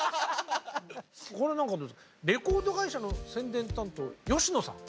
これなんかレコード会社の宣伝担当吉野さん。